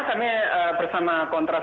kami bersama kontras